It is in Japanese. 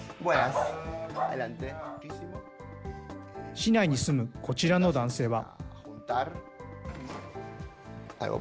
市内に住むこちらの男性は。